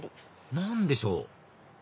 何でしょう？